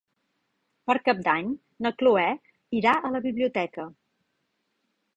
Per Cap d'Any na Cloè irà a la biblioteca.